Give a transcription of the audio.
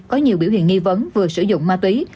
có nhiều biểu hiện nghi vấn vừa sử dụng ma túy